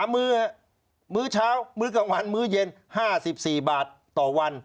มื้อมื้อเช้ามื้อกลางวันมื้อเย็น๕๔บาทต่อวัน